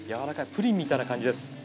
プリンみたいな感じです。